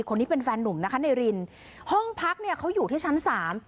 คนนี้เป็นแฟนหนุ่มนะคะในรินห้องพักเนี่ยเขาอยู่ที่ชั้นสาม